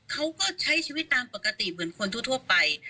เขาก็ใช้ชีวิตตามปกติเหมือนคนทั่วไป